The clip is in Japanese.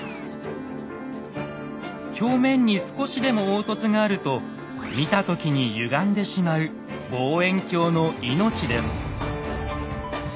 表面に少しでも凹凸があると見た時にゆがんでしまう望遠鏡の命です。